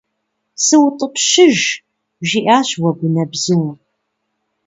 СутӀыпщыж, - жиӀащ Уэгунэбзум.